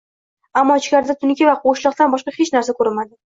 Ammo ichkarida tunuka va boʻshliqdan boshqa hech narsa koʻrinmadi.